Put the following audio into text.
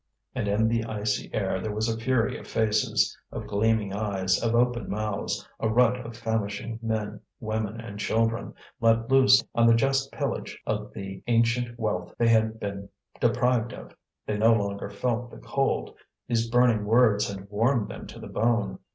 And in the icy air there was a fury of faces, of gleaming eyes, of open mouths, a rut of famishing men, women, and children, let loose on the just pillage of the ancient wealth they had been deprived of. They no longer felt the cold, these burning words had warmed them to the bone.